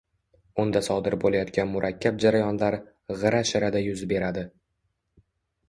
unda sodir bo‘layotgan murakkab jarayonlar “g‘ira-shirada” yuz beradi